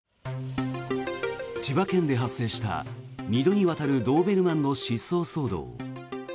千葉県で発生した２度にわたるドーベルマンの失踪騒動。